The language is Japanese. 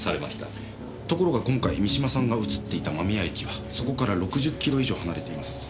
ところが今回三島さんが映っていた間宮駅はそこから６０キロ以上離れています。